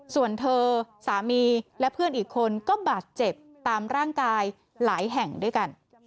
ส่วนเธอสามีและเพื่อนอีกคนก็บาดเจ็บตามร่างกายหลายแห่งด้วยกัน